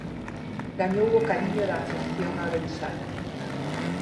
Gañou o cariño da afección arousá.